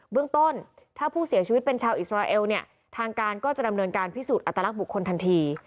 เรื่องต้นถ้าผู้เสียชีวิตเป็นชาวอิสราเอลเนี่ยทางการก็จะดำเนินการพิสูจนอัตลักษณ์บุคคลทันที